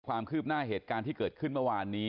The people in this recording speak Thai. ความคืบหน้าเหตุการณ์ที่เกิดขึ้นเมื่อวานนี้